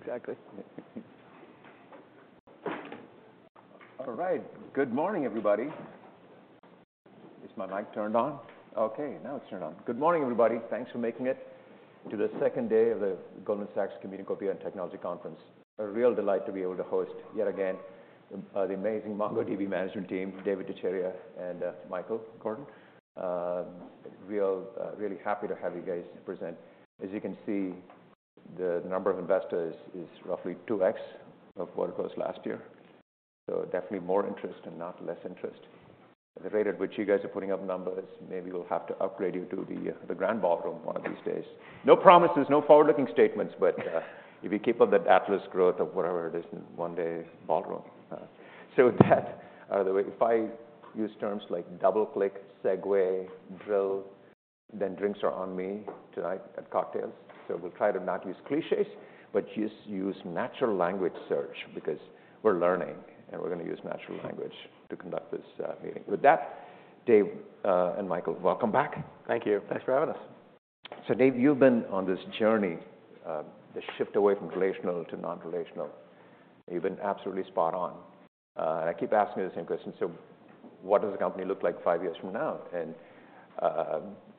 Exactly. All right. Good morning, everybody. Is my mic turned on? Okay, now it's turned on. Good morning, everybody. Thanks for making it to the second day of the Goldman Sachs Computing, Cloud, and Technology Conference. A real delight to be able to host, yet again, the amazing MongoDB management team, Dev Ittycheria and Michael Gordon. We are really happy to have you guys present. As you can see, the number of investors is roughly 2x of what it was last year, so definitely more interest and not less interest. The rate at which you guys are putting up numbers, maybe we'll have to upgrade you to the grand ballroom one of these days. No promises, no forward-looking statements, but if you keep up that Atlas growth or whatever it is, one day, ballroom. So with that, the way—if I use terms like double click, segue, drill, then drinks are on me tonight at cocktails. So we'll try to not use clichés, but just use natural language search, because we're learning and we're gonna use natural language to conduct this meeting. With that, Dev and Michael, welcome back. Thank you. Thanks for having us. So Dev, you've been on this journey, the shift away from relational to non-relational. You've been absolutely spot on. I keep asking you the same question, "So what does the company look like five years from now?" And,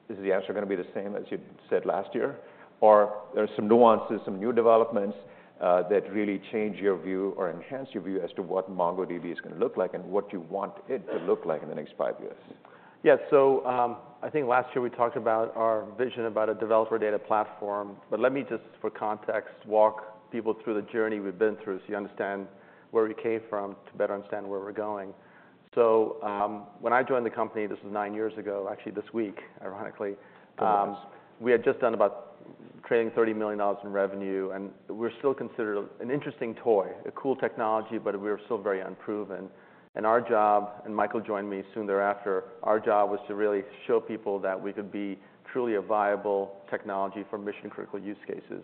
is the answer gonna be the same as you said last year? Or there are some nuances, some new developments, that really change your view or enhance your view as to what MongoDB is gonna look like and what you want it to look like in the next five years? Yeah. So, I think last year we talked about our vision about a developer data platform, but let me just, for context, walk people through the journey we've been through so you understand where we came from to better understand where we're going. So, when I joined the company, this was nine years ago, actually this week, ironically. Yes We had just done about $30 million in revenue, and we're still considered an interesting toy, a cool technology, but we were still very unproven. And our job, and Michael joined me soon thereafter, our job was to really show people that we could be truly a viable technology for mission-critical use cases.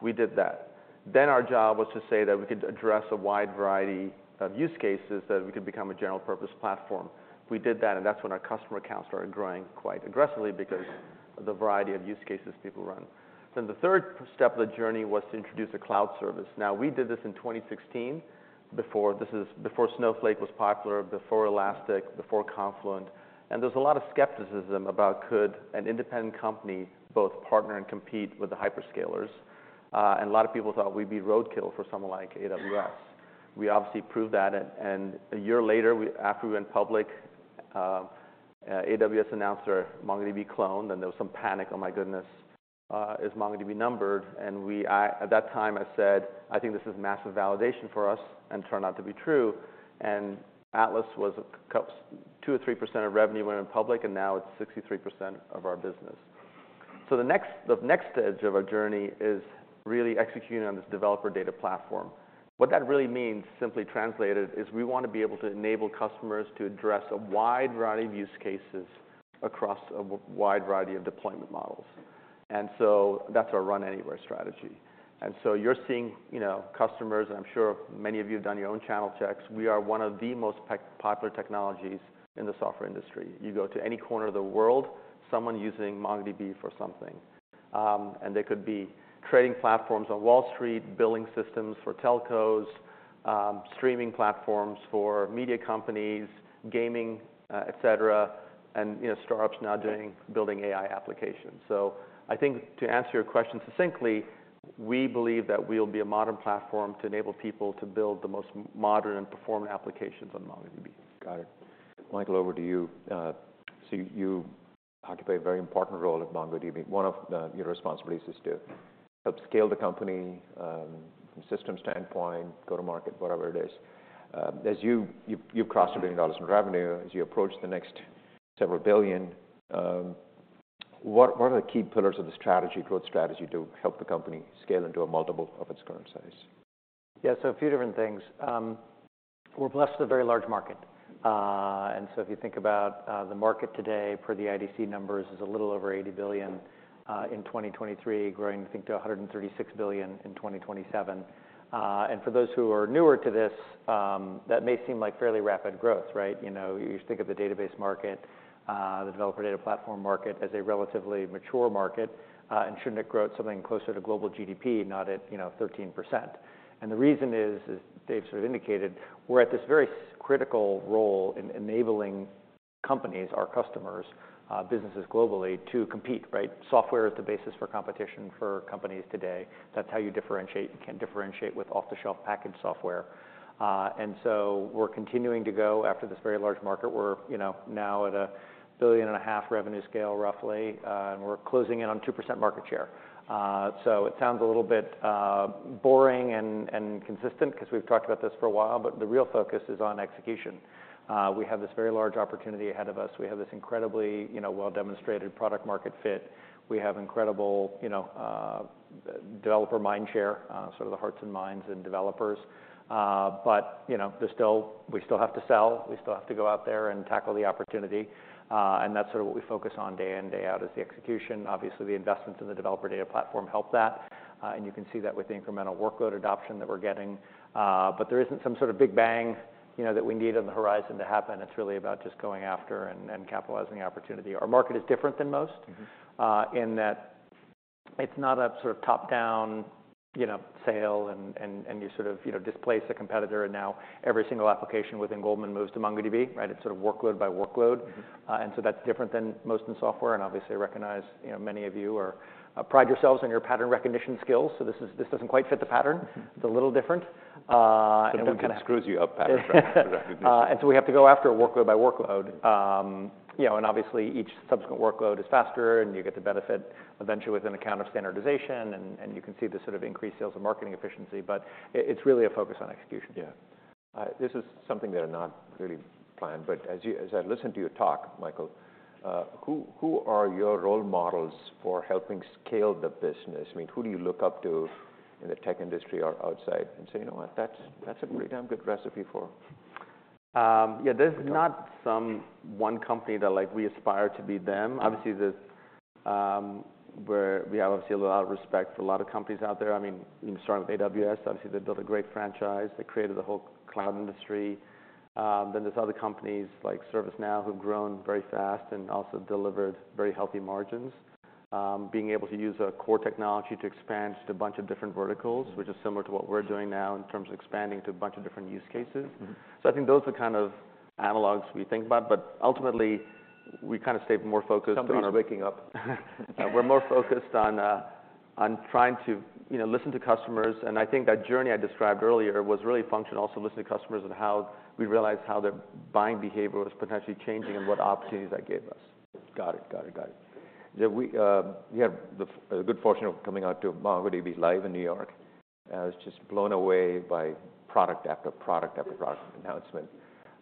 We did that. Then, our job was to say that we could address a wide variety of use cases, that we could become a general purpose platform. We did that, and that's when our customer accounts started growing quite aggressively because of the variety of use cases people run. Then, the third step of the journey was to introduce a cloud service. Now, we did this in 2016, before—this is before Snowflake was popular, before Elastic, before Confluent, and there was a lot of skepticism about could an independent company both partner and compete with the hyperscalers. And a lot of people thought we'd be roadkill for someone like AWS. We obviously proved that, and, and a year later, we, after we went public, AWS announced their MongoDB clone, and there was some panic, "Oh, my goodness, is MongoDB numbered?" And at that time, I said, "I think this is massive validation for us," and it turned out to be true. And Atlas was 2% or 3% of revenue when it went public, and now it's 63% of our business. So the next, the next stage of our journey is really executing on this developer data platform. What that really means, simply translated, is we want to be able to enable customers to address a wide variety of use cases across a wide variety of deployment models. And so that's our Run Anywhere strategy. And so you're seeing, you know, customers, and I'm sure many of you have done your own channel checks, we are one of the most popular technologies in the software industry. You go to any corner of the world, someone using MongoDB for something. And they could be trading platforms on Wall Street, billing systems for telcos, streaming platforms for media companies, gaming, et cetera, and, you know, startups now building AI applications. So I think to answer your question succinctly, we believe that we'll be a modern platform to enable people to build the most modern and performant applications on MongoDB. Got it. Michael, over to you. So you occupy a very important role at MongoDB. One of your responsibilities is to help scale the company from a systems standpoint, go to market, whatever it is. As you've crossed $1 billion in revenue, as you approach the next several billion, what are the key pillars of the strategy, growth strategy to help the company scale into a multiple of its current size? Yeah, so a few different things. We're blessed with a very large market. And so if you think about the market today, per the IDC numbers, is a little over $80 billion in 2023, growing, I think, to $136 billion in 2027. And for those who are newer to this, that may seem like fairly rapid growth, right? You know, you just think of the database market, the developer data platform market as a relatively mature market, and shouldn't it grow at something closer to global GDP, not at, you know, 13%? And the reason is, as Dev sort of indicated, we're at this very critical role in enabling companies, our customers, businesses globally, to compete, right? Software is the basis for competition for companies today. That's how you differentiate, you can differentiate with off-the-shelf package software. And so we're continuing to go after this very large market. We're, you know, now at $1.5 billion revenue scale, roughly, and we're closing in on 2% market share. So it sounds a little bit, boring and consistent, 'cause we've talked about this for a while, but the real focus is on execution. We have this very large opportunity ahead of us. We have this incredibly, you know, well-demonstrated product market fit. We have incredible, you know, developer mind share, sort of the hearts and minds in developers. But, you know, there's still, we still have to sell, we still have to go out there and tackle the opportunity. And that's sort of what we focus on day in, day out, is the execution. Obviously, the investments in the developer data platform help that, and you can see that with the incremental workload adoption that we're getting. But there isn't some sort of big bang, you know, that we need on the horizon to happen. It's really about just going after and, and capitalizing the opportunity. Our market is different than most- Mm-hmm... in that-... It's not a sort of top-down, you know, sale and you sort of, you know, displace a competitor, and now every single application within Goldman moves to MongoDB, right? It's sort of workload by workload. Mm-hmm. And so that's different than most in software, and obviously, I recognize, you know, many of you are pride yourselves on your pattern recognition skills, so this doesn't quite fit the pattern. It's a little different, and we kinda- Sometimes it screws you up, pattern recognition. And so we have to go after a workload by workload. You know, and obviously, each subsequent workload is faster, and you get the benefit eventually within account of standardization, and you can see the sort of increased sales and marketing efficiency, but it's really a focus on execution. Yeah. This is something that I not really planned, but as I listened to your talk, Michael, who are your role models for helping scale the business? I mean, who do you look up to in the tech industry or outside and say, "You know what? That's, that's a pretty damn good recipe for... Yeah, there's not some one company that, like, we aspire to be them. Mm-hmm. Obviously, there's we have obviously a lot of respect for a lot of companies out there. I mean, you can start with AWS. Obviously, they built a great franchise. They created the whole cloud industry. Then there's other companies like ServiceNow, who've grown very fast and also delivered very healthy margins. Being able to use a core technology to expand just a bunch of different verticals- Mm-hmm. which is similar to what we're doing now in terms of expanding to a bunch of different use cases. Mm-hmm. I think those are the kind of analogs we think about, but ultimately, we kind of stay more focused on our- Somebody's waking up. We're more focused on trying to, you know, listen to customers, and I think that journey I described earlier was really functional. Also, listening to customers and how we realized how their buying behavior was potentially changing and what opportunities that gave us. Got it. Got it, got it. Yeah, we had the good fortune of coming out to MongoDB Live in New York. I was just blown away by product after product after product announcement.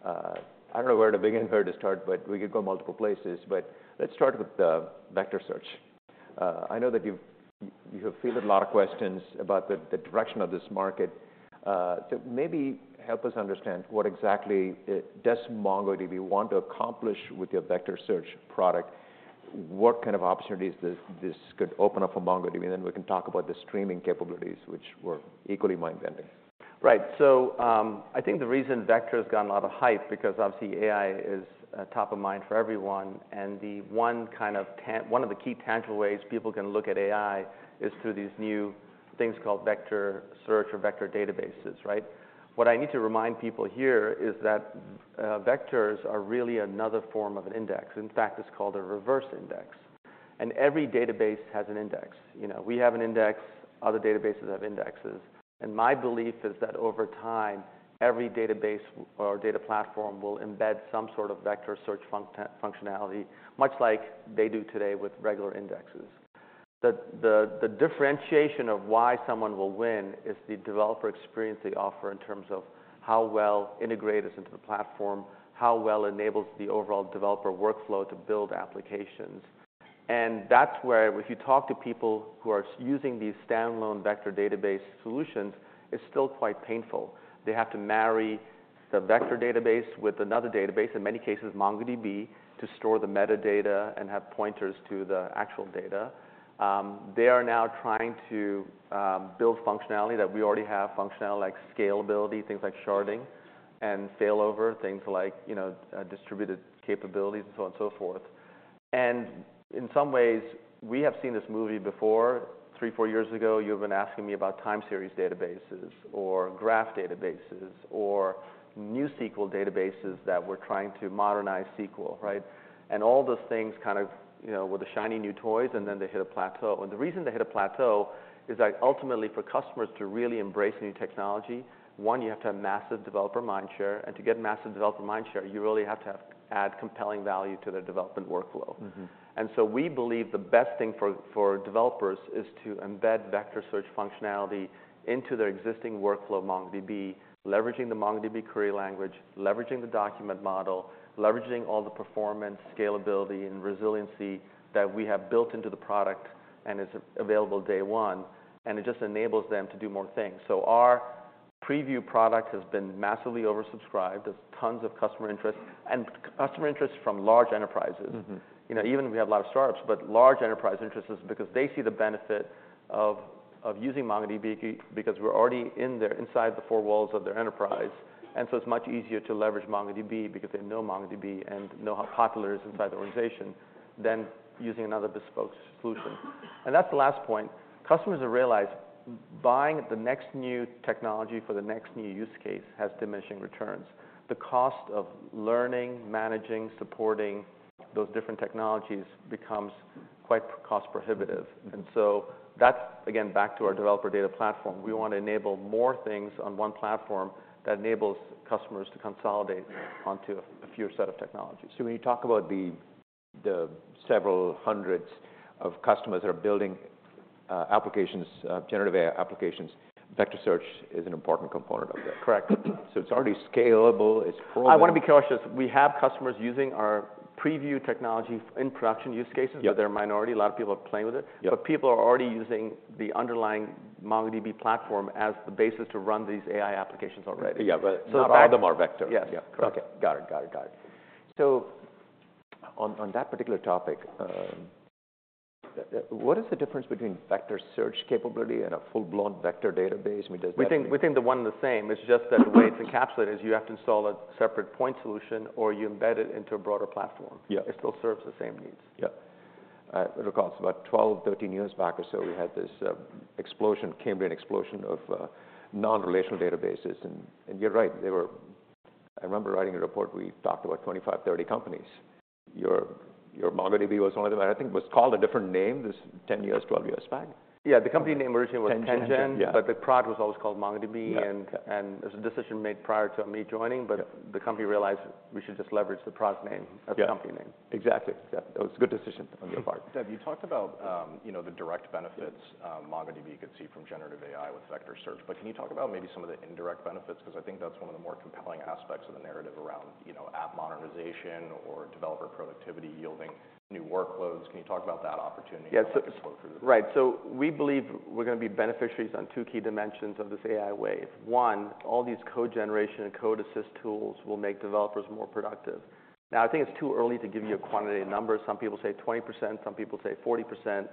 I don't know where to begin, where to start, but we could go multiple places, but let's start with the vector search. I know that you've, you have fielded a lot of questions about the direction of this market. So maybe help us understand what exactly does MongoDB want to accomplish with your vector search product? What kind of opportunities this could open up for MongoDB? And then we can talk about the streaming capabilities, which were equally mind-bending. Right. So, I think the reason vector has gotten a lot of hype, because obviously AI is top of mind for everyone, and the one kind of one of the key tangible ways people can look at AI is through these new things called vector search or vector databases, right? What I need to remind people here is that, vectors are really another form of an index. In fact, it's called a reverse index, and every database has an index. You know, we have an index, other databases have indexes, and my belief is that over time, every database or data platform will embed some sort of vector search functionality, much like they do today with regular indexes. The differentiation of why someone will win is the developer experience they offer in terms of how well integrated into the platform, how well it enables the overall developer workflow to build applications. And that's where if you talk to people who are using these standalone vector database solutions, it's still quite painful. They have to marry the vector database with another database, in many cases, MongoDB, to store the metadata and have pointers to the actual data. They are now trying to build functionality that we already have, functionality like scalability, things like sharding and failover, things like, you know, distributed capabilities, and so on and so forth. And in some ways, we have seen this movie before. Three, four years ago, you've been asking me about time series databases or graph databases or NewSQL databases that we're trying to modernize SQL, right? All those things kind of, you know, were the shiny new toys, and then they hit a plateau. The reason they hit a plateau is that ultimately, for customers to really embrace new technology, one, you have to have massive developer mindshare, and to get massive developer mindshare, you really have to add compelling value to their development workflow. Mm-hmm. And so we believe the best thing for developers is to embed vector search functionality into their existing workflow. MongoDB, leveraging the MongoDB query language, leveraging the document model, leveraging all the performance, scalability, and resiliency that we have built into the product, and it's available day one, and it just enables them to do more things. So our preview product has been massively oversubscribed. There's tons of customer interest, and customer interest from large enterprises. Mm-hmm. You know, even we have a lot of startups, but large enterprise interest is because they see the benefit of, of using MongoDB because we're already in there, inside the four walls of their enterprise, and so it's much easier to leverage MongoDB because they know MongoDB and know how popular it is inside the organization than using another bespoke solution. That's the last point. Customers have realized buying the next new technology for the next new use case has diminishing returns. The cost of learning, managing, supporting those different technologies becomes quite cost prohibitive. Mm-hmm. And so that's, again, back to our developer data platform. We want to enable more things on one platform that enables customers to consolidate onto a fewer set of technologies. So when you talk about the several hundreds of customers that are building applications, generative AI applications, vector search is an important component of that? Correct. It's already scalable, it's proven- I wanna be cautious. We have customers using our preview technology in production use cases- Yeah. but they're a minority. A lot of people are playing with it. Yeah. But people are already using the underlying MongoDB platform as the basis to run these AI applications already. Yeah, but- So back- Not all of them are vector. Yes. Yeah. Correct. Okay. Got it, got it, got it. So on that particular topic, what is the difference between vector search capability and a full-blown vector database? I mean, does that- We think, we think they're one and the same. It's just that- Mm-hmm The way it's encapsulated, you have to install a separate point solution or you embed it into a broader platform. Yeah. It still serves the same needs. Yeah.... I recall it's about 12, 13 years back or so, we had this explosion, Cambrian explosion of non-relational databases. And, you're right, they were-- I remember writing a report, we talked about 25, 30 companies. Your MongoDB was one of them, and I think it was called a different name, 10gen, 12 years back. Yeah, the company name originally was 10gen- 10gen, yeah. But the product was always called MongoDB. Yeah. And it was a decision made prior to me joining- Yeah... but the company realized we should just leverage the product name- Yeah as the company name. Exactly. Yeah, it was a good decision on your part. Dev, you talked about, you know, the direct benefits, MongoDB could see from generative AI with vector search, but can you talk about maybe some of the indirect benefits? 'Cause I think that's one of the more compelling aspects of the narrative around, you know, app modernization or developer productivity yielding new workloads. Can you talk about that opportunity? Yeah. And exposure. Right. So we believe we're gonna be beneficiaries on two key dimensions of this AI wave. One, all these code generation and code assist tools will make developers more productive. Now, I think it's too early to give you a quantitative number. Some people say 20%, some people say 40%.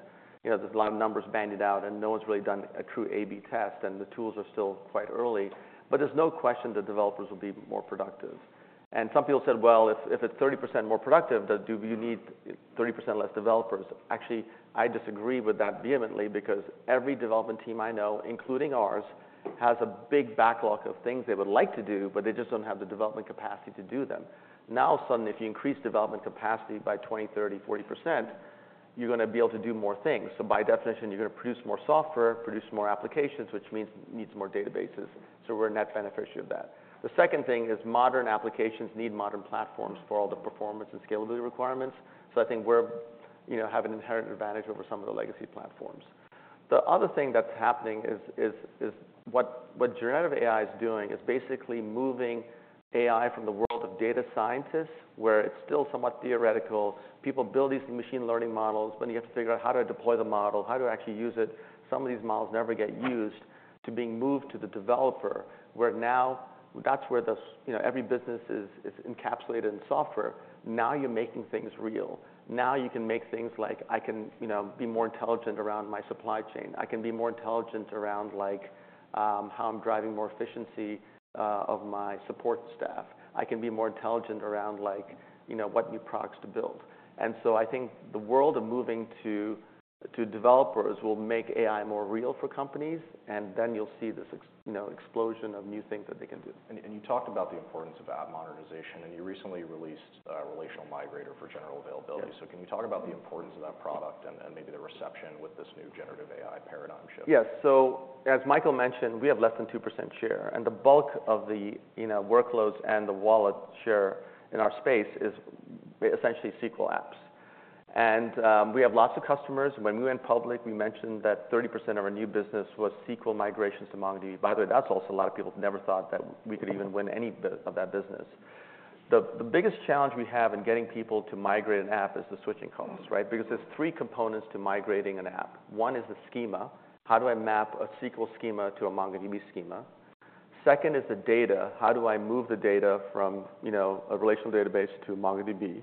You know, there's a lot of numbers bandied about, and no one's really done a true A/B test, and the tools are still quite early. But there's no question that developers will be more productive. And some people said, "Well, if, if it's 30% more productive, then do you need 30% less developers?" Actually, I disagree with that vehemently, because every development team I know, including ours, has a big backlog of things they would like to do, but they just don't have the development capacity to do them. Now, suddenly, if you increase development capacity by 20%, 30%, 40%, you're gonna be able to do more things. So by definition, you're gonna produce more software, produce more applications, which means needs more databases. So we're a net beneficiary of that. The second thing is modern applications need modern platforms for all the performance and scalability requirements. So I think we're, you know, have an inherent advantage over some of the legacy platforms. The other thing that's happening is what generative AI is doing is basically moving AI from the world of data scientists, where it's still somewhat theoretical. People build these machine learning models, but you have to figure out how to deploy the model, how to actually use it. Some of these models never get used, to being moved to the developer, where now that's where the, you know, every business is, is encapsulated in software. Now you're making things real. Now you can make things like I can, you know, be more intelligent around my supply chain. I can be more intelligent around, like, how I'm driving more efficiency of my support staff. I can be more intelligent around, like, you know, what new products to build. And so I think the world of moving to, to developers will make AI more real for companies, and then you'll see this ex- you know, explosion of new things that they can do. And you talked about the importance of app modernization, and you recently released Relational Migrator for general availability. Yeah. So, can you talk about the importance of that product and maybe the reception with this new generative AI paradigm shift? Yes. So as Michael mentioned, we have less than 2% share, and the bulk of the, you know, workloads and the wallet share in our space is essentially SQL apps. And we have lots of customers. When we went public, we mentioned that 30% of our new business was SQL migrations to MongoDB. By the way, that's also a lot of people never thought that we could even win any bit of that business. The biggest challenge we have in getting people to migrate an app is the switching costs, right? Because there's three components to migrating an app. One is the schema. How do I map a SQL schema to a MongoDB schema? Second is the data. How do I move the data from, you know, a relational database to MongoDB?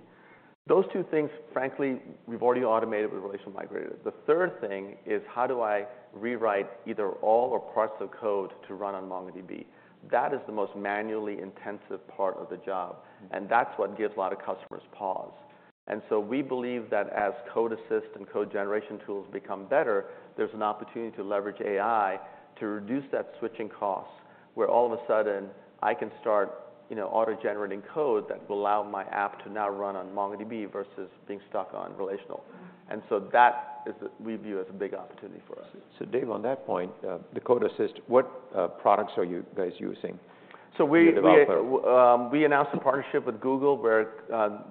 Those two things, frankly, we've already automated with Relational Migrator. The third thing is, how do I rewrite either all or parts of the code to run on MongoDB? That is the most manually intensive part of the job, and that's what gives a lot of customers pause. And so we believe that as code assist and code generation tools become better, there's an opportunity to leverage AI to reduce that switching cost, where all of a sudden I can start, you know, auto-generating code that will allow my app to now run on MongoDB versus being stuck on relational. And so that is... we view as a big opportunity for us. So Dev, on that point, the code assist, what products are you guys using? So we- As a developer. We announced a partnership with Google where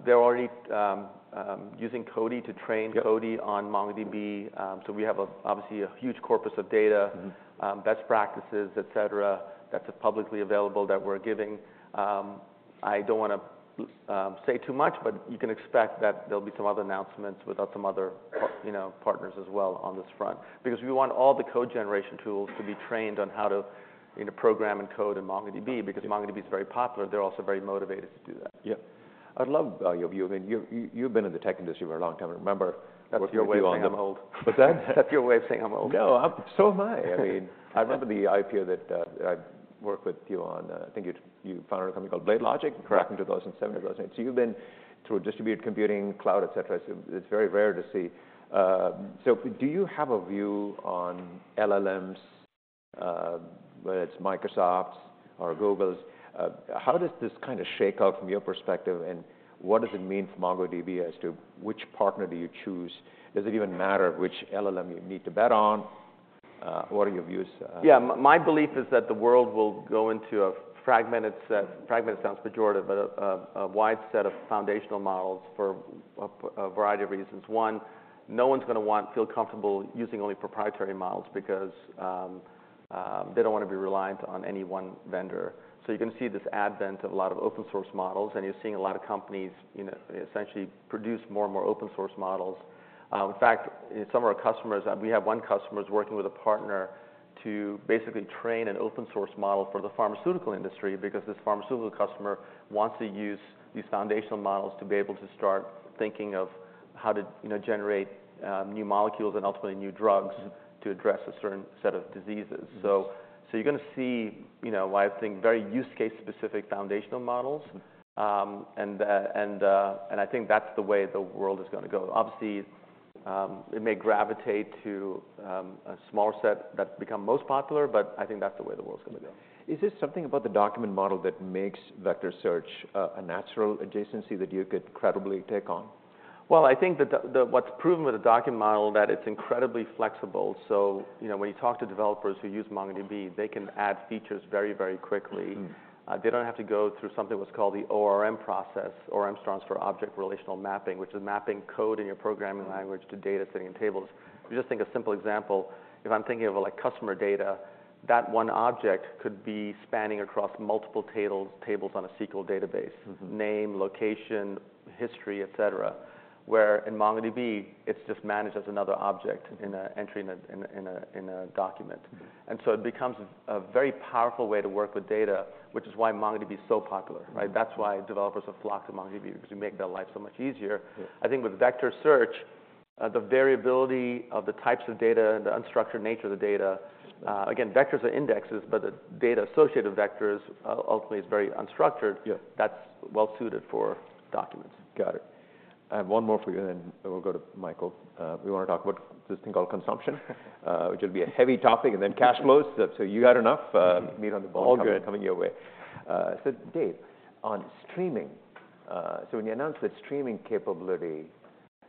they're already using Codey to train- Yep... Codey on MongoDB. So we have, obviously, a huge corpus of data- Mm-hmm... best practices, et cetera, that are publicly available that we're giving. I don't wanna say too much, but you can expect that there'll be some other announcements with, some other, you know, partners as well on this front. Because we want all the code generation tools to be trained on how to, you know, program and code in MongoDB. Because MongoDB is very popular, they're also very motivated to do that. Yep. I'd love your view. I mean, you've, you've been in the tech industry for a long time, and remember working with you on the- That's your way of saying I'm old. What's that? That's your way of saying I'm old. No, so am I. I mean, I remember the IPO that I worked with you on. I think you founded a company called BladeLogic- Correct... back in 2007, 2008. So you've been through distributed computing, cloud, et cetera, so it's very rare to see. So do you have a view on LLMs, whether it's Microsoft's or Google's? How does this kind of shake out from your perspective, and what does it mean for MongoDB as to which partner do you choose? Does it even matter which LLM you need to bet on? What are your views? Yeah. My belief is that the world will go into a fragmented set. Fragmented sounds pejorative, but a wide set of foundational models for a variety of reasons. One, no one's gonna want to feel comfortable using only proprietary models because they don't want to be reliant on any one vendor. So you're gonna see this advent of a lot of open source models, and you're seeing a lot of companies, you know, essentially produce more and more open source models. In fact, some of our customers, we have one customer who's working with a partner to basically train an open source model for the pharmaceutical industry, because this pharmaceutical customer wants to use these foundational models to be able to start thinking of how to, you know, generate new molecules and ultimately new drugs to address a certain set of diseases. Mm. So you're gonna see, you know, I think, very use case specific foundational models. I think that's the way the world is gonna go. Obviously, it may gravitate to a small set that become most popular, but I think that's the way the world's gonna go. Is there something about the document model that makes vector search a natural adjacency that you could credibly take on? Well, I think that what's proven with the Document model, that it's incredibly flexible. So, you know, when you talk to developers who use MongoDB, they can add features very, very quickly. Mm-hmm. They don't have to go through something what's called the ORM process. ORM stands for Object-Relational Mapping, which is mapping code in your programming language- Mm to data sitting in tables. If you just think a simple example, if I'm thinking of, like, customer data, that one object could be spanning across multiple tables, tables on a SQL database: name, location, history, et cetera. Where in MongoDB, it's just managed as another object in an entry in a document. Mm-hmm. And so it becomes a very powerful way to work with data, which is why MongoDB is so popular, right? Mm-hmm. That's why developers have flocked to MongoDB, because we make their life so much easier. Yeah. I think with vector search, the variability of the types of data and the unstructured nature of the data. Again, vectors are indexes, but the data associated with vectors ultimately is very unstructured. Yeah. That's well suited for documents. Got it. I have one more for you, and then we'll go to Michael. We wanna talk about this thing called consumption, which will be a heavy topic, and then cash flows. So you got enough meat on the bone- All good... coming your way. So Dev, on streaming, so when you announced the streaming capability,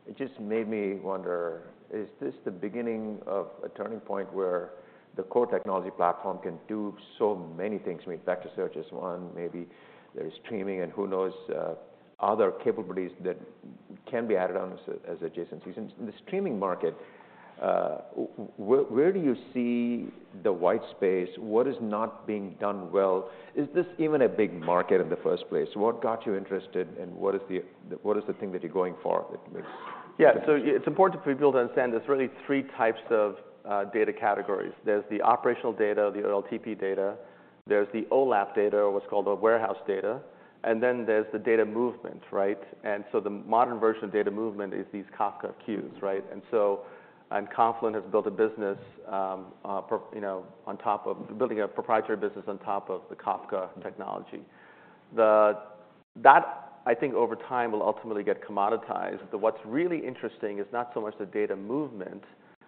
it just made me wonder, is this the beginning of a turning point where the core technology platform can do so many things? I mean, vector search is one, maybe there's streaming, and who knows, other capabilities that can be added on as, as adjacencies. In the streaming market, where do you see the white space? What is not being done well? Is this even a big market in the first place? What got you interested, and what is the, what is the thing that you're going for with this? Yeah. So it's important for people to understand there's really three types of data categories. There's the operational data, the OLTP data, there's the OLAP data, or what's called the warehouse data, and then there's the data movement, right? And so the modern version of data movement is these Kafka queues, right? And so, Confluent has built a business, you know, on top of building a proprietary business on top of the Kafka technology. That, I think over time, will ultimately get commoditized. But what's really interesting is not so much the data movement,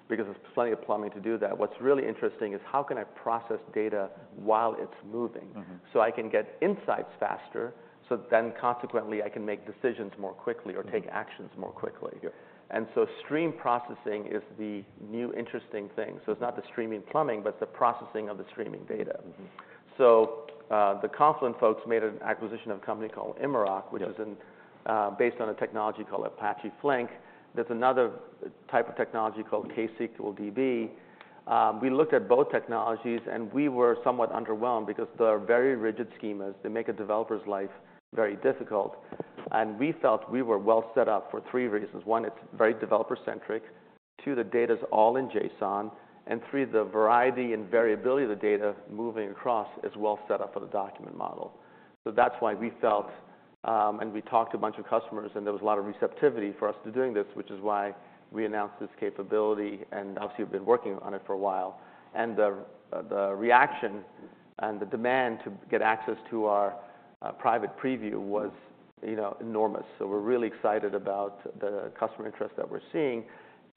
because there's plenty of plumbing to do that. What's really interesting is, how can I process data while it's moving? Mm-hmm. So I can get insights faster, so then consequently, I can make decisions more quickly- Mm or take actions more quickly. Yeah. Stream processing is the new interesting thing. So it's not the streaming plumbing, but the processing of the streaming data. Mm-hmm. The Confluent folks made an acquisition of a company called Immerok- Yeah... which is in based on a technology called Apache Flink. There's another type of technology called ksqlDB. We looked at both technologies, and we were somewhat underwhelmed because they are very rigid schemas. They make a developer's life very difficult. And we felt we were well set up for three reasons: one, it's very developer-centric; two, the data's all in JSON; and three, the variety and variability of the data moving across is well set up for the document model. So that's why we felt... And we talked to a bunch of customers, and there was a lot of receptivity for us to doing this, which is why we announced this capability, and obviously, we've been working on it for a while. And the reaction and the demand to get access to our private preview was, you know, enormous. So we're really excited about the customer interest that we're seeing.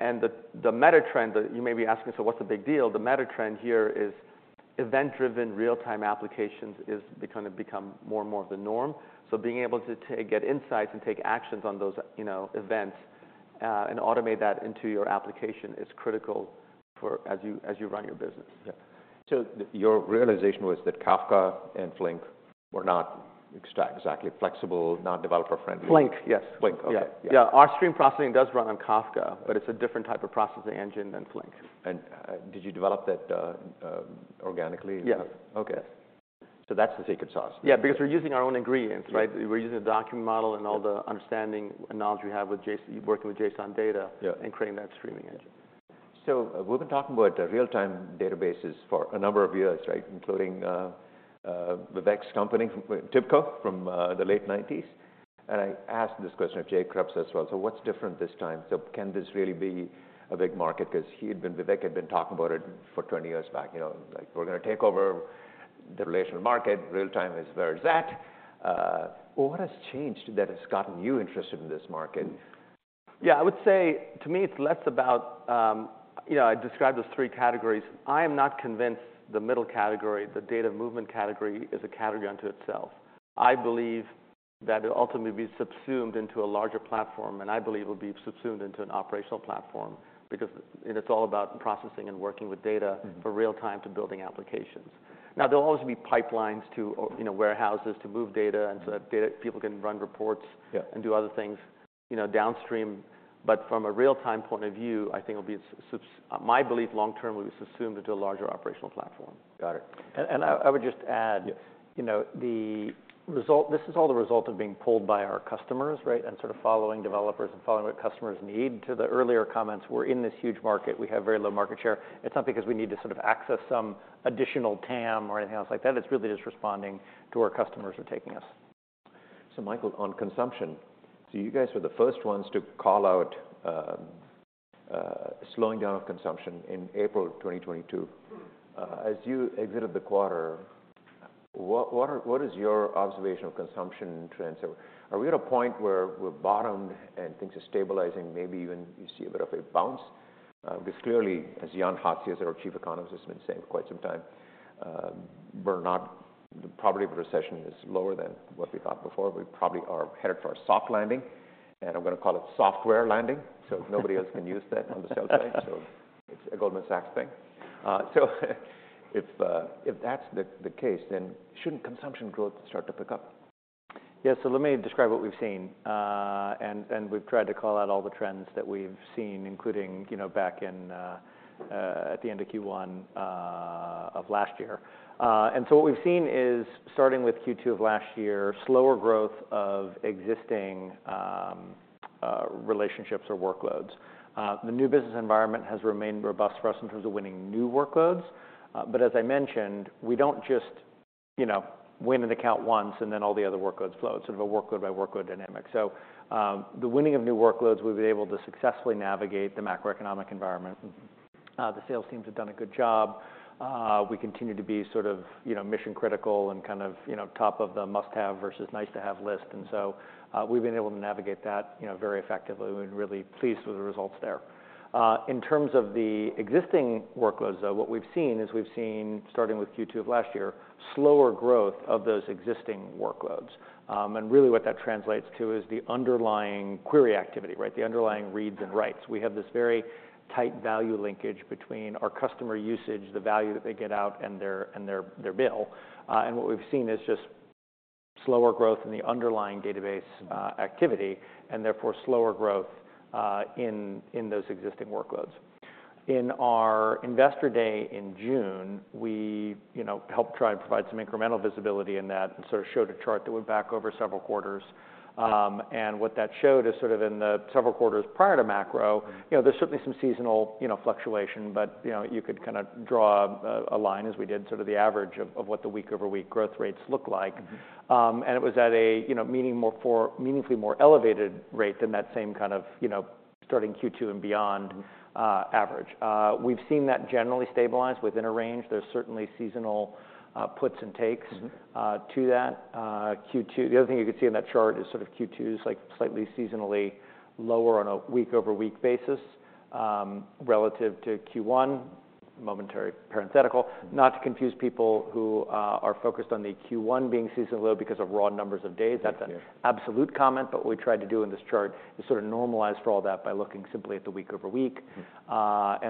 And the meta trend that you may be asking, so what's the big deal? The meta trend here is event-driven, real-time applications is kind of become more and more of the norm. So being able to get insights and take actions on those, you know, events, and automate that into your application is critical for as you, as you run your business. Yeah. So your realization was that Kafka and Flink were not exactly flexible, not developer-friendly? Flink, yes. Flink, okay. Yeah. Yeah. Our stream processing does run on Kafka, but it's a different type of processing engine than Flink. Did you develop that organically? Yeah. Okay. So that's the secret sauce? Yeah, because we're using our own ingredients, right? Yeah. We're using the document model- Yeah and all the understanding and knowledge we have with JSON, working with JSON data Yeah and creating that streaming engine. So we've been talking about real-time databases for a number of years, right? Including Vivek's company, TIBCO, from the late 1990s. And I asked this question of Jay Kreps as well. So what's different this time? So can this really be a big market? 'Cause he had been, Vivek had been talking about it for 20 years back, you know, like, "We're gonna take over the relational market. Real-time is where it's at." What has changed that has gotten you interested in this market? Yeah, I would say, to me, it's less about, you know, I described those three categories. I am not convinced the middle category, the data movement category, is a category unto itself. I believe that it'll ultimately be subsumed into a larger platform, and I believe it'll be subsumed into an operational platform because it, it's all about processing and working with data- Mm-hmm for real time to building applications. Now, there'll always be pipelines to, or, you know, warehouses to move data, and so that data- people can run reports- Yeah and do other things, you know, downstream. But from a real-time point of view, I think it'll be my belief long term, will be subsumed into a larger operational platform. Got it. I would just add- Yeah... you know, the result, this is all the result of being pulled by our customers, right? And sort of following developers and following what customers need. To the earlier comments, we're in this huge market, we have very low market share. It's not because we need to sort of access some additional TAM or anything else like that, it's really just responding to where our customers are taking us. So Michael, on consumption, so you guys were the first ones to call out slowing down of consumption in April 2022. As you exited the quarter... what is your observation of consumption trends? Are we at a point where we've bottomed and things are stabilizing, maybe even you see a bit of a bounce? Because clearly, as Jan Hatzius, our Chief Economist, has been saying for quite some time, we're not. The probability of a recession is lower than what we thought before. We probably are headed for a soft landing, and I'm gonna call it software landing, so nobody else can use that on the sales side. It's a Goldman Sachs thing. So, if that's the case, then shouldn't consumption growth start to pick up? Yes. So let me describe what we've seen. And we've tried to call out all the trends that we've seen, including, you know, back in, at the end of Q1, of last year. And so what we've seen is, starting with Q2 of last year, slower growth of existing relationships or workloads. The new business environment has remained robust for us in terms of winning new workloads. But as I mentioned, we don't just, you know, win an account once and then all the other workloads flow. It's sort of a workload-by-workload dynamic. So, the winning of new workloads, we've been able to successfully navigate the macroeconomic environment. The sales teams have done a good job. We continue to be sort of, you know, mission critical and kind of, you know, top of the must-have versus nice-to-have list. And so, we've been able to navigate that, you know, very effectively. We're really pleased with the results there. In terms of the existing workloads, though, what we've seen is we've seen, starting with Q2 of last year, slower growth of those existing workloads. And really what that translates to is the underlying query activity, right? The underlying reads and writes. We have this very tight value linkage between our customer usage, the value that they get out, and their, and their, their bill. And what we've seen is just slower growth in the underlying database activity, and therefore, slower growth in those existing workloads. In our investor day in June, we, you know, helped try and provide some incremental visibility in that, and sort of showed a chart that went back over several quarters. And what that showed is sort of in the several quarters prior to macro, you know, there's certainly some seasonal, you know, fluctuation, but, you know, you could kind of draw a line, as we did, sort of the average of what the week-over-week growth rates look like. Mm-hmm. And it was at a, you know, meaningfully more elevated rate than that same kind of, you know, starting Q2 and beyond average. We've seen that generally stabilized within a range. There's certainly seasonal puts and takes- Mm-hmm... to that. Q2—the other thing you can see in that chart is sort of Q2 is, like, slightly seasonally lower on a week-over-week basis, relative to Q1. Momentary parenthetical, not to confuse people who are focused on the Q1 being seasonally low because of raw numbers of days. Yeah. That's an absolute comment, but what we tried to do in this chart is sort of normalize for all that by looking simply at the week-over-week. Mm-hmm.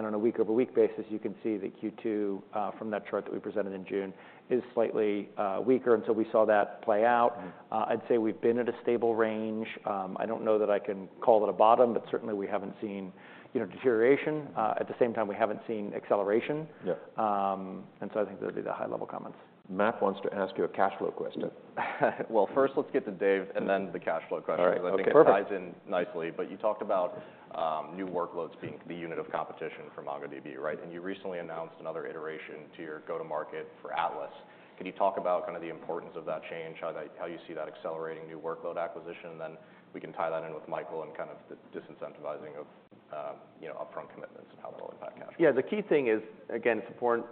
On a week-over-week basis, you can see that Q2 from that chart that we presented in June is slightly weaker, and so we saw that play out. Mm. I'd say we've been at a stable range. I don't know that I can call it a bottom, but certainly we haven't seen, you know, deterioration. At the same time, we haven't seen acceleration. Yeah. I think those are the high-level comments. Matt wants to ask you a cash flow question. Mm-hmm. Well, first, let's get to Dev, and then the cash flow question- All right. Okay, perfect.... because I think it ties in nicely. But you talked about new workloads being the unit of competition for MongoDB, right? And you recently announced another iteration to your go-to-market for Atlas. Can you talk about kind of the importance of that change, how that, how you see that accelerating new workload acquisition? And then we can tie that in with Michael and kind of the disincentivizing of, you know, upfront commitments and how that will impact cash flow. Yeah, the key thing is, again, it's important,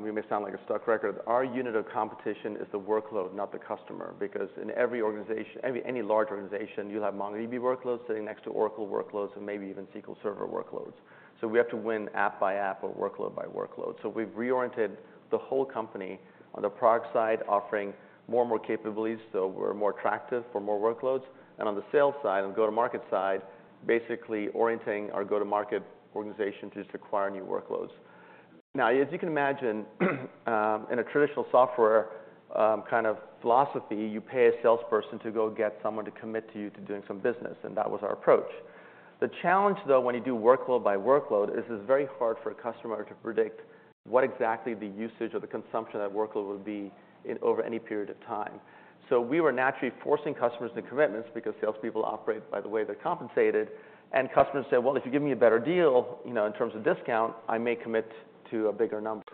we may sound like a stuck record, our unit of competition is the workload, not the customer, because in every organization, any large organization, you'll have MongoDB workloads sitting next to Oracle workloads and maybe even SQL Server workloads. So we have to win app by app or workload by workload. So we've reoriented the whole company on the product side, offering more and more capabilities, so we're more attractive for more workloads. And on the sales side and go-to-market side, basically orienting our go-to-market organization to just acquire new workloads. Now, as you can imagine, in a traditional software kind of philosophy, you pay a salesperson to go get someone to commit to you to doing some business, and that was our approach. The challenge, though, when you do workload by workload, is it's very hard for a customer to predict what exactly the usage or the consumption of that workload will be over any period of time. So we were naturally forcing customers to commitments because salespeople operate by the way they're compensated, and customers say: "Well, if you give me a better deal, you know, in terms of discount, I may commit to a bigger number."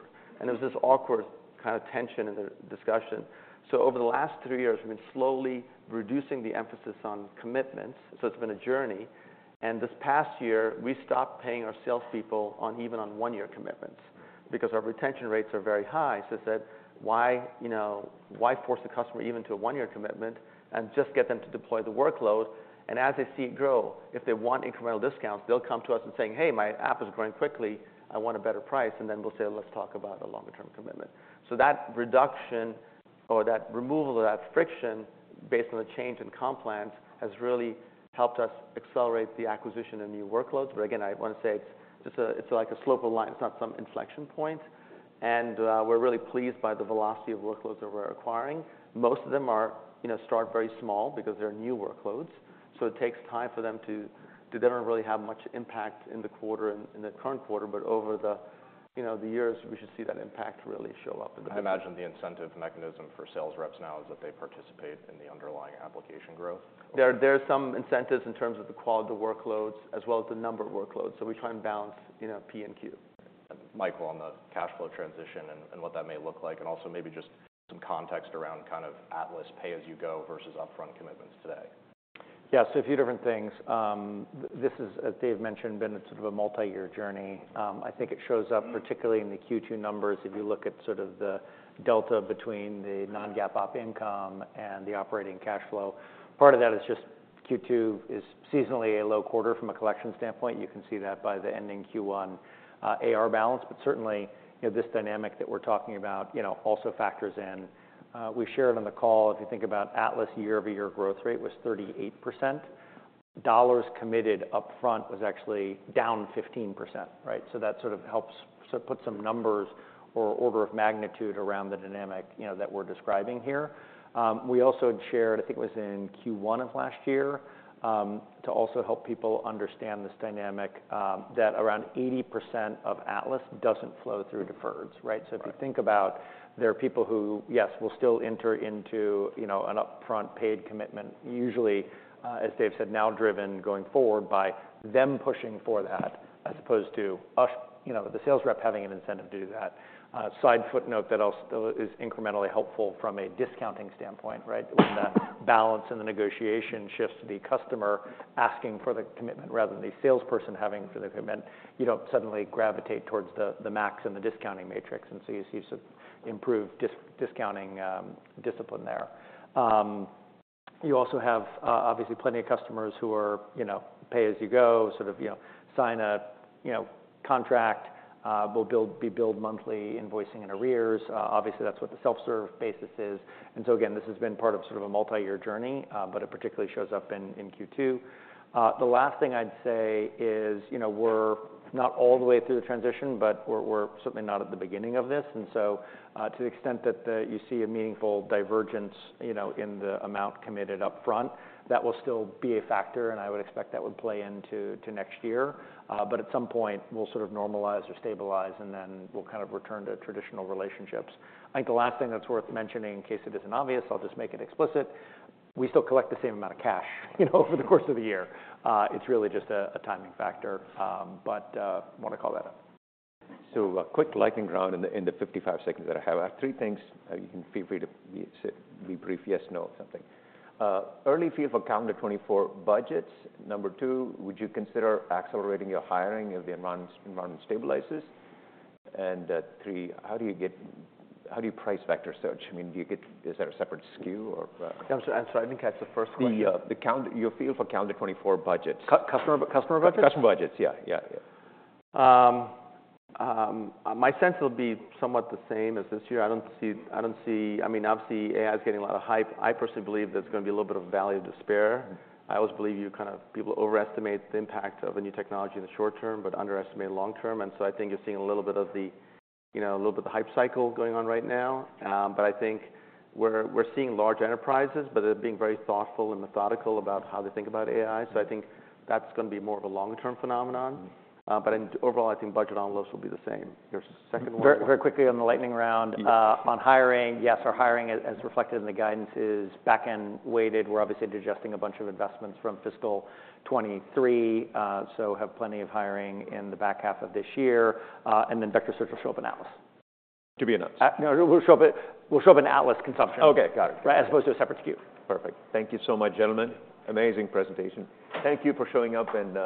And there was this awkward kind of tension in the discussion. So over the last three years, we've been slowly reducing the emphasis on commitments, so it's been a journey. And this past year, we stopped paying our salespeople on even one-year commitments, because our retention rates are very high. So I said: "Why, you know, why force the customer even to a one-year commitment and just get them to deploy the workload? And as they see it grow, if they want incremental discounts, they'll come to us and saying, "Hey, my app is growing quickly. I want a better price." And then we'll say, "Let's talk about a longer term commitment." So that reduction or that removal of that friction, based on the change in comp plans, has really helped us accelerate the acquisition of new workloads. But again, I want to say, it's just—it's like a slope of line, it's not some inflection point. And, we're really pleased by the velocity of workloads that we're acquiring. Most of them are, you know, start very small because they're new workloads, so it takes time for them to—they don't really have much impact in the quarter, in the current quarter. But over the, you know, the years, we should see that impact really show up in the pipeline. I imagine the incentive mechanism for sales reps now is that they participate in the underlying application growth? There are some incentives in terms of the quality of the workloads as well as the number of workloads, so we try and balance, you know, P and Q. Michael, on the cash flow transition and what that may look like, and also maybe just some context around kind of Atlas pay-as-you-go versus upfront commitments today. Yeah, so a few different things. This is, as Dev mentioned, been sort of a multi-year journey. I think it shows up particularly in the Q2 numbers, if you look at sort of the delta between the non-GAAP op income and the operating cash flow. Part of that is just Q2 is seasonally a low quarter from a collection standpoint. You can see that by the ending Q1 AR balance. But certainly, you know, this dynamic that we're talking about, you know, also factors in. We shared on the call, if you think about Atlas year-over-year growth rate was 38%. Dollars committed upfront was actually down 15%, right? So that sort of helps sort of put some numbers or order of magnitude around the dynamic, you know, that we're describing here. We also had shared, I think it was in Q1 of last year, to also help people understand this dynamic, that around 80% of Atlas doesn't flow through deferreds, right? Right. So if you think about, there are people who, yes, will still enter into, you know, an upfront paid commitment, usually, as Dev said, now driven going forward by them pushing for that, as opposed to us, you know, the sales rep having an incentive to do that. Side footnote that also still is incrementally helpful from a discounting standpoint, right? When that balance in the negotiation shifts to the customer asking for the commitment rather than the salesperson having for the commitment, you don't suddenly gravitate towards the, the max and the discounting matrix, and so you see sort of improved discounting discipline there. You also have, obviously plenty of customers who are, you know, pay-as-you-go, sort of, you know, sign a, you know, contract, will be billed monthly, invoicing in arrears. Obviously, that's what the self-serve basis is. So again, this has been part of sort of a multi-year journey, but it particularly shows up in Q2. The last thing I'd say is, you know, we're not all the way through the transition, but we're certainly not at the beginning of this. So, to the extent that you see a meaningful divergence, you know, in the amount committed upfront, that will still be a factor, and I would expect that would play into next year. But at some point, we'll sort of normalize or stabilize, and then we'll kind of return to traditional relationships. I think the last thing that's worth mentioning, in case it isn't obvious, I'll just make it explicit: we still collect the same amount of cash, you know, over the course of the year. It's really just a timing factor, but want to call that out. A quick lightning round in the 55 seconds that I have. I have three things. You can feel free to be brief, yes, no, something. Early fee for calendar 2024 budgets? Number two, would you consider accelerating your hiring if the environment stabilizes? And, three, how do you price vector search? I mean, do you get... Is there a separate SKU or, I'm sorry, I didn't catch the first question. The calendar year view for calendar 2024 budgets. Customer, customer budgets? Customer budgets. Yeah, yeah, yeah. My sense will be somewhat the same as this year. I don't see... I mean, obviously, AI is getting a lot of hype. I personally believe there's gonna be a little bit of value to spare. I always believe people overestimate the impact of a new technology in the short term, but underestimate long term. And so I think you're seeing a little bit of the, you know, a little bit of the hype cycle going on right now. But I think we're seeing large enterprises, but they're being very thoughtful and methodical about how they think about AI, so I think that's gonna be more of a long-term phenomenon. Mm-hmm. Overall, I think budget onloads will be the same. Your second one? Very, very quickly on the lightning round. Yeah. On hiring, yes, our hiring, as, as reflected in the guidance, is back-end weighted. We're obviously digesting a bunch of investments from fiscal 2023, so have plenty of hiring in the back half of this year. And then vector search will show up in Atlas. To be announced? No, will show up in Atlas consumption. Okay, got it. As opposed to a separate SKU. Perfect. Thank you so much, gentlemen. Amazing presentation. Thank you for showing up, and,